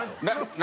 何？